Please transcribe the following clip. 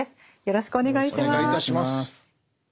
よろしくお願いします。